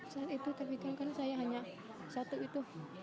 saat itu terbitungkan saya hanya satu itu